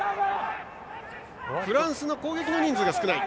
フランスの攻撃の人数が少ない。